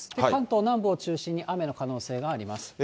関東南部を中心に、雨の可能性があります。